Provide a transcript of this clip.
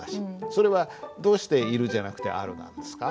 それはどうして「いる」じゃなくて「ある」なんですか？